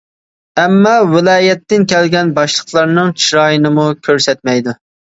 ئەمما ۋىلايەتتىن كەلگەن باشلىقلارنىڭ چىرايىنىمۇ كۆرسەتمەيدۇ.